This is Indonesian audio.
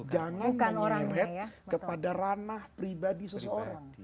jangan menyeret kepada ranah pribadi seseorang